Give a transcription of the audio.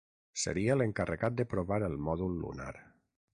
Seria l'encarregat de provar el mòdul lunar.